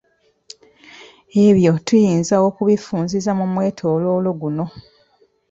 Ebyo tuyinza okubifunziza mu mwetoloolo guno.